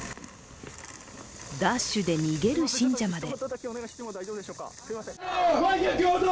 ダッシュで逃げる信者まで。